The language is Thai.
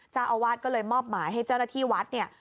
เจ้าอาวาสก็เลยมอบหมายให้เจ้าหน้าที่วัดเนี่ย